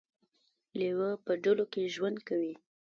لیوه په ډلو کې ژوند کوي